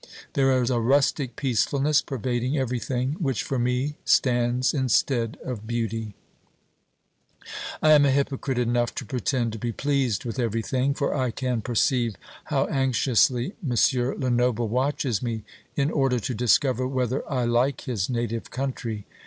There is a rustic peacefulness pervading everything which, for me, stands instead of beauty. I am hypocrite enough to pretend to be pleased with everything, for I can perceive how anxiously M. Lenoble watches me in order to discover whether I like his native country.